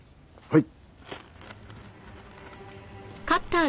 はい。